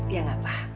ya nggak pak